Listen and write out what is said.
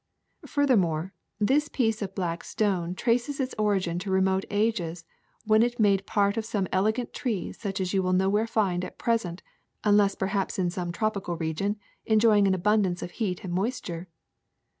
^'Furthermore, this piece of black stone traces its origin to remote ages when it made part of some elegant tree such as you will nowhere find at present unless perhaps in some tropical region enjoying an abundance of heat and moisture."